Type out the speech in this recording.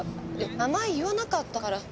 名前言わなかったから。